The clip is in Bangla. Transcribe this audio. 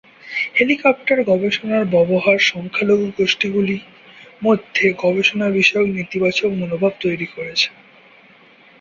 হেলিকপ্টার গবেষণার ব্যবহার সংখ্যালঘু গোষ্ঠীগুলির মধ্যে গবেষণা বিষয়ে নেতিবাচক মনোভাব তৈরি করেছে।